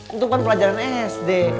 itu kan pelajaran sd